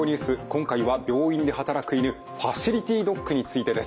今回は病院で働く犬ファシリティドッグについてです。